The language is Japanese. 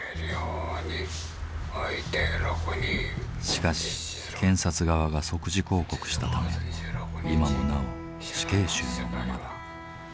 しかし検察側が即時抗告したため今もなお死刑囚のままだ。